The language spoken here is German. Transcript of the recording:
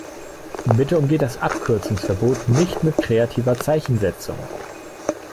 Bitte umgeht das Abkürzungsverbot nicht mit kreativer Zeichensetzung!